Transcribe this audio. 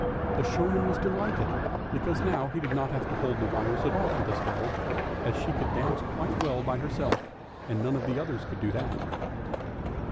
The showman was delighted, because now he did not have to hold the wires at all for this doll, as she could dance quite well by herself, and none of the others could do that.